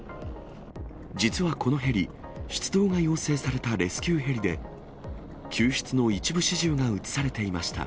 実はこのヘリ、出動が要請されたレスキューヘリで、救出の一部始終が映されていました。